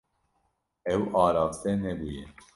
Ew araste nebûye.